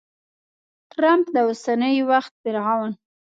ټرمپ د اوسني وخت فرعون!